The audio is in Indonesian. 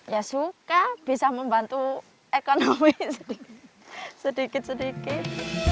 ya suka bisa membantu ekonomi sedikit sedikit